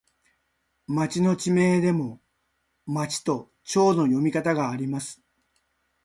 町の地名でも、まちとちょうの読み方があります。